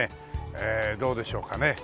ええどうでしょうかね。